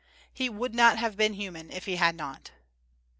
He would not have been human if he had not.